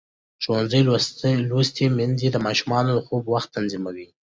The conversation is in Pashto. ښوونځې لوستې میندې د ماشومانو د خوب وخت تنظیموي.